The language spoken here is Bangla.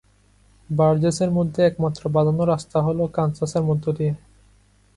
বার্জেসের মধ্যে একমাত্র বাঁধানো রাস্তা হল কানসাসের মধ্য দিয়ে।